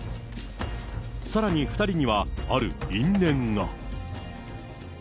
さらに２人には、ある因縁が。